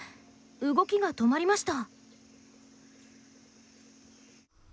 動きが止まりました。